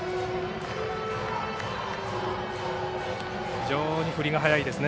非常に振りが速いですね